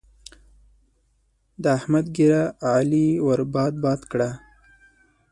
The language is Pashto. د احمد ږيره؛ علي ور باد باد کړه.